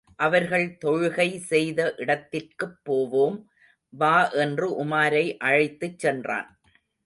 அவர்கள் தொழுகை செய்த இடத்திற்குப் போவோம், வா என்று உமாரை அழைத்துச் சென்றான்.